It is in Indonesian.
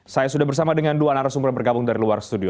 saya sudah bersama dengan dua narasumber yang bergabung dari luar studio